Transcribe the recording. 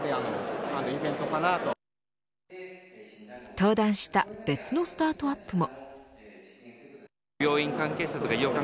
登壇した別のスタートアップも。